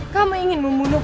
kamu ingin membunuhku